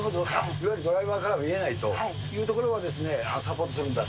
いわゆるドライバーからは見えないという所は、サポートするんだと。